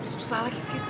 susah lagi skateboard